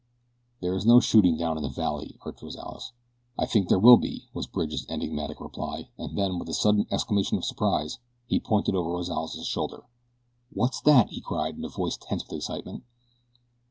"But there is no shooting down in the valley," urged Rozales. "I think there will be," was Bridge's enigmatical reply, and then, with a sudden exclamation of surprise he pointed over Rozales' shoulder. "What's that?" he cried in a voice tense with excitement.